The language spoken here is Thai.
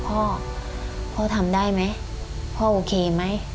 พ่อพ่อทำได้ไหมพ่อโอเคไหม